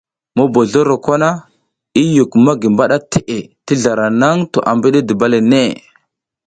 Mobozloro kwana i yuk magi mbaɗa teʼe ti zlara naŋ to i mbiɗi duba le ne.